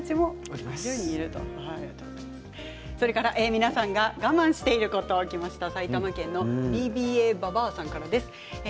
皆さんが我慢していることもきましたよ。